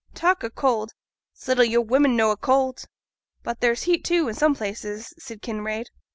Talk o' cold! it's little yo' women known o' cold!' 'But there's heat, too, i' some places,' said Kinraid.